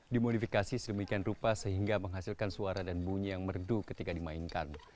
dimodifikasi sedemikian rupa sehingga menghasilkan suara dan bunyi yang merdu ketika dimainkan